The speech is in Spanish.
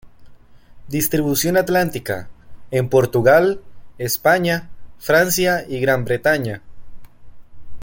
Distribución atlántica. En Portugal, España, Francia y Gran Bretaña.